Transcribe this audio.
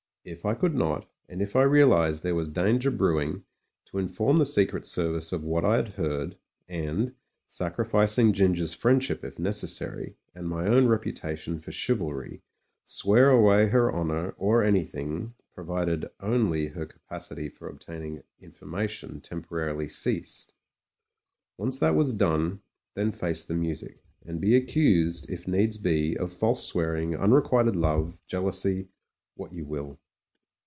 If I could not — ^and if I realised there was danger brew ing — ^to inform the Secret Service of what I had heard, and, sacrificing Ginger's friendship if necessary, and my own reputation for chivalry, swear away her hon our, or anything, provided only Jier capacity for ob taining information temporarily ceased. Once that was done, then face the music, and be accused, if needs be, of false swearing, unrequited love, jealousy, what 92 MEN, WOMEN AND GUNS you will.